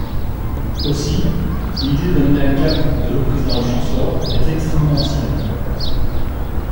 Aussi l'idée d'amener à Gap de l'eau prise dans le Champsaur est extrêmement ancienne.